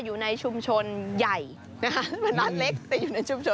อยู่ในชุมชนใหญ่นะคะมาร้านเล็กแต่อยู่ในชุมชน